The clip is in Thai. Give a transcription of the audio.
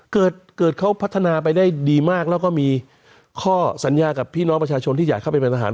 เกิดเขาพัฒนาไปได้ดีมากแล้วก็มีข้อสัญญากับพี่น้องประชาชนที่อยากเข้าไปเป็นทหาร